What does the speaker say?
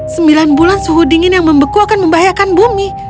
sembilan bulan suhu dingin yang membeku akan membahayakan bumi